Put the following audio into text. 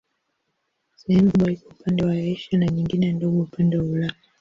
Sehemu kubwa iko upande wa Asia na nyingine ndogo upande wa Ulaya.